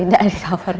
tidak di cover